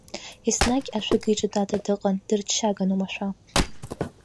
Еснагь ашәыга иҿатата дыҟан, дырччаган омашәа!